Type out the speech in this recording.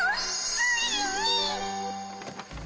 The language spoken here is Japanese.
ついに！